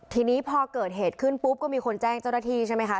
ทีนี้พอเกิดเหตุขึ้นปุ๊บก็มีคนแจ้งเจ้าหน้าที่ใช่ไหมคะ